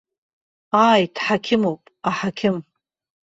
Ааи, дҳақьымуп, аҳақьым.